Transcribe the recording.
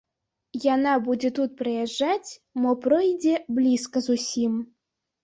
Яна будзе тут праязджаць, мо пройдзе блізка зусім.